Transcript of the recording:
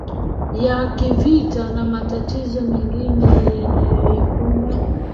ya kivita na matatizo mengine yanaoikumba